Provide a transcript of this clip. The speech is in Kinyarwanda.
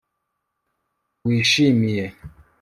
wishimiye